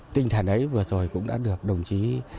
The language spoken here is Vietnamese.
tinh thần ấy vừa rồi cũng đã được đồng chí